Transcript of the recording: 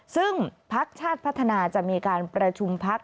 ซึ่งพักชาติพัฒนาจะมีการประชุมพัก